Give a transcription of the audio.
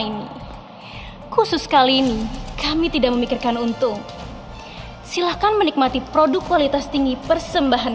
ini khusus kali ini kami tidak memikirkan untung silakan menikmati produk kualitas tinggi persembahan